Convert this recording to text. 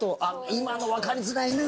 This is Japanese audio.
今のわかりづらいな。